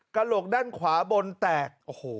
การโหลกด้านขวาบนแตก